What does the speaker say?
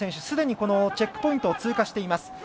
すでにチェックポイントを通過しています。